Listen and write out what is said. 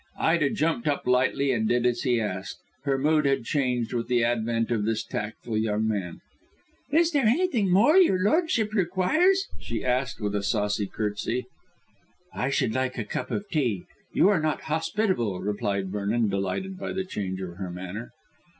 Ida jumped up lightly and did as he asked. Her mood had changed with the advent of this tactful young man. "Is there anything more your lordship requires?" she asked with a saucy curtsey. "I should like a cup of tea; you are not hospitable," replied Vernon, delighted by the change in her manner.